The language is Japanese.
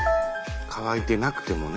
渇いてなくてもね。